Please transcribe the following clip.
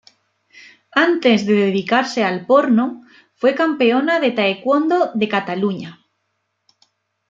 Antes de dedicarse al porno fue campeona de taekwondo de Cataluña.